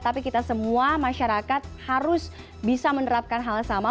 tapi kita semua masyarakat harus bisa menerapkan hal sama